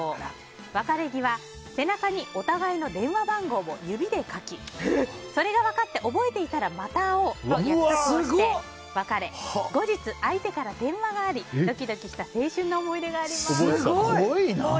別れ際、背中にお互いの電話番号を指で書きそれが分かって、覚えていたらまた会おうと約束して別れ後日、相手から電話がありドキドキした覚えてたんだ。